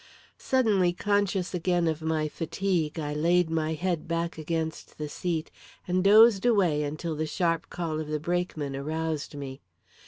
Suddenly conscious again of my fatigue, I laid my head back against the seat, and dozed away until the sharp call of the brakeman aroused me.